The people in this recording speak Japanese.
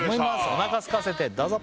おなかすかせてどうぞ！